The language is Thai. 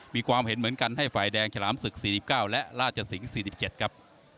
มีความเห็นเหมือนกันให้ฝ่ายแดงฉลามศึก๔๙และราชสิงห์๔๗ครับ